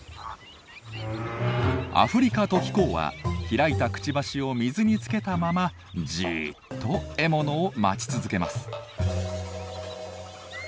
アフリカトキコウは開いたくちばしを水につけたままじっと獲物を待ち続けます。